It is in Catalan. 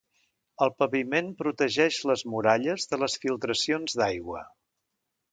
El paviment protegeix les muralles de les filtracions d'aigua.